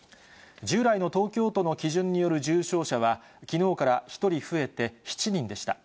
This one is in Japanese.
従来の東京都の基準による重症者は、きのうから１人増えて７人でした。